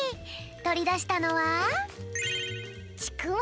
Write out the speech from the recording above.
とりだしたのはちくわ！